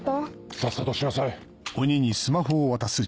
さっさとしなさい。